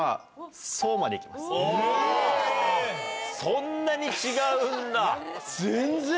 そんなに違うんだ。